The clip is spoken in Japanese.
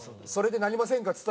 「それでなりませんか？」